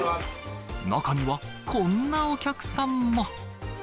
中には、こんなお客さんも。